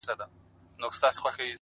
پوهه د تیارو ذهنونو رڼا ده،